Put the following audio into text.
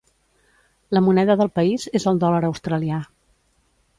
La moneda del país és el dòlar australià.